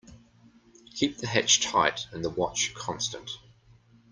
Keep the hatch tight and the watch constant.